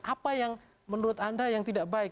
apa yang menurut anda yang tidak baik